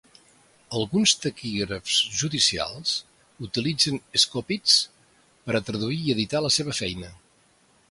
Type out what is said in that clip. Alguns taquígrafs judicials utilitzen "scopists" per a traduir i editar la seva feina.